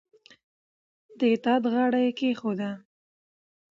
د اطاعت غاړه یې کېښوده